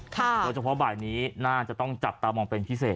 โดยเฉพาะบ่ายนี้น่าจะต้องจับตามองเป็นพิเศษ